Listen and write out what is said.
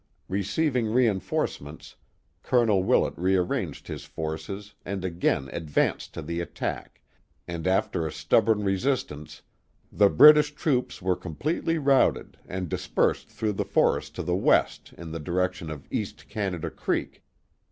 Receiving reinforce ments, Colonel Willett rearranged his forces and again ad vanced to the attack, and after a stubborn resistance the British troops were completely routed and dispersed through the forest to the west in the direction of East Canada Creek.